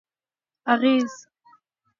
اغېز: